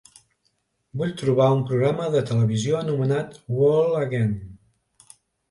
Vull trobar un programa de televisió anomenat Whole Again